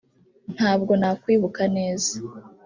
Ntabwo nakwibuka neza